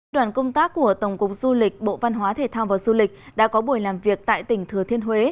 đoàn công tác của tổng cục du lịch bộ văn hóa thể thao và du lịch đã có buổi làm việc tại tỉnh thừa thiên huế